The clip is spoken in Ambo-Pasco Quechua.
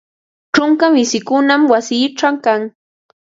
Ćhunka mishikunam wasiićhaw kan